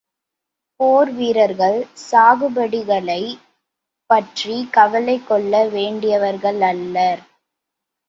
போர் வீரர்கள் சாகுபடிகளைப் பற்றிக் கவலை கொள்ள வேண்டியவர்களல்லர்.